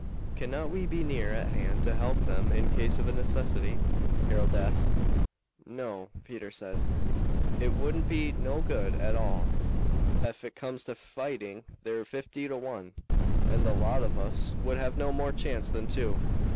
"Cannot we be near at hand to help them in case of a necessity," Harold asked. "No," Peter said. "It wouldn't be no good at all. Ef it comes to fighting they're fifty to one, and the lot of us would have no more chance than two.